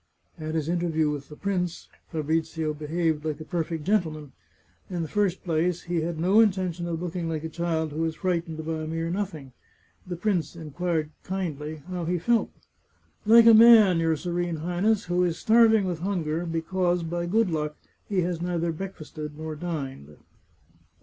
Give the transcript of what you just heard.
At his interview with the prince, Fabrizio behaved like a perfect gentleman. In the first place, he had no intention of looking like a child who is frightened by a mere nothing. The prince inquired kindly how he felt. " Like a man, your Serene Highness, who is starving with hunger, because, by good luck, he has neither break fasted nor dined."